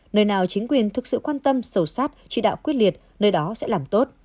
nơi nào chính quyền thực sự quan tâm sổ sát chỉ đạo quyết liệt nơi đó sẽ làm tốt